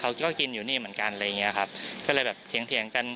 กินก็กินอยู่นี่เหมือนกันอะไรอย่างเงี้ยครับก็เลยแบบเถียงกัน